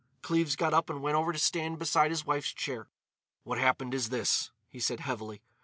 Cleves got up and went over to stand beside his wife's chair. "What happened is this," he said heavily.